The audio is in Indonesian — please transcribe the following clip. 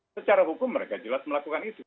secara hukum mereka jelas melakukan itu